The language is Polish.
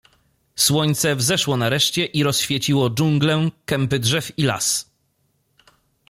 Słońce wzeszło nareszcie i rozświeciło dżunglę, kępy drzew i las.